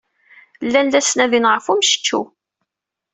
Llan la ttnadin ɣef ummecčew.